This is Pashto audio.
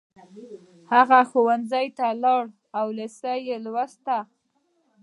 هغه ښوونځي ته لاړ او لېسه يې ولوسته.